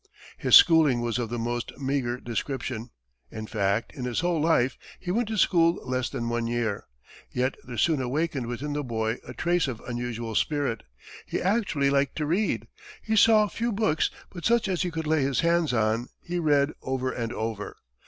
His schooling was of the most meagre description; in fact, in his whole life, he went to school less than one year. Yet there soon awakened within the boy a trace of unusual spirit. He actually liked to read. He saw few books, but such as he could lay his hands on, he read over and over.